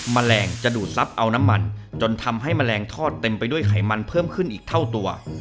แมลงจะดูดซับเอาน้ำมันจนทำให้แมลงทอดเต็มไปด้วยไขมันเพิ่มขึ้นอีกเท่าตัว